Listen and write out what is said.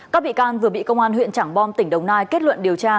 các bị can vừa bị công an huyện trảng bom tỉnh đồng nai kết luận điều tra